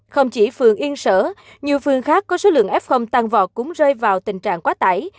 không chỉ phường yên sở nhiều phương khác có số lượng f tăng vọt cũng rơi vào tình trạng quá tải